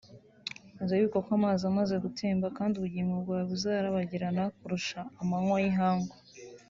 uzawibuka nk’amazi amaze gutemba kandi ubugingo bwawe buzarabagirana kurusha amanywa y’ihangu